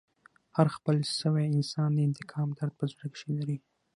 هر خپل سوی انسان د انتقام درد په زړه کښي لري.